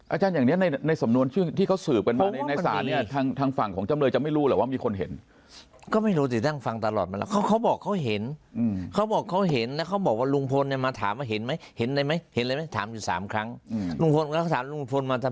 อาจารย์อย่างเนี้ยในในสำนวนชื่อที่เขาสืบเป็นมาในในศาลนี้อ่ะทังฝั่งของ